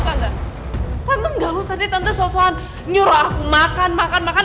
tante tante gak usah deh tante sosok sosok nyuruh aku makan makan makan